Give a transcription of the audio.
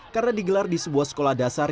karena digelar di sebuah sekolah dasar